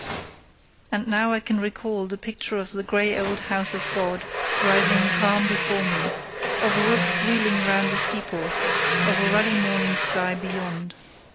And now I can recall the picture of the grey old house of God rising calm before me, of a rook wheeling round the steeple, of a ruddy morning sky beyond.